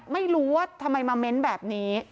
ไม่รู้ว่าทำไมมาเม้นแบบนี้